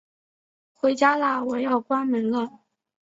回家啦，我要关门了